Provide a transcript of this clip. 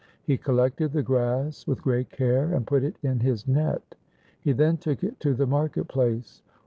He collected the grass with great care and put it in his net. He then took it to the market place.